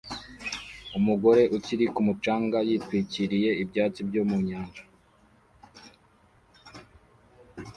Umugore uri ku mucanga yitwikiriye ibyatsi byo mu nyanja